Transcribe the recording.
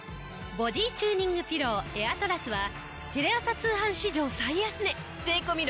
ボディチューニングピローエアトラスはテレ朝通販史上最安値税込６９８０円。